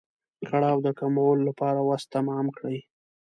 کړاو د کمولو لپاره وس تمام کړي.